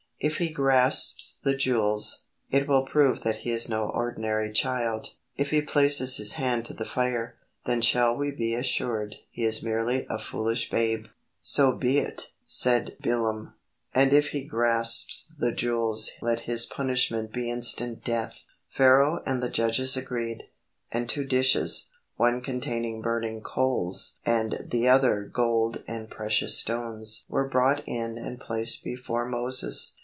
If he grasps the jewels, it will prove that he is no ordinary child; if he places his hand to the fire, then shall we be assured he is merely a foolish babe." "So be it," said Bilam, "and if he grasps the jewels let his punishment be instant death." Pharaoh and the judges agreed, and two dishes, one containing burning coals and the other gold and precious stones were brought in and placed before Moses.